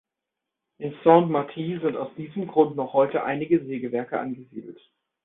In Saint-Martin sind aus diesem Grund noch heute einige Sägewerke angesiedelt.